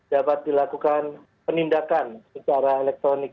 dapat dilakukan penindakan secara elektronik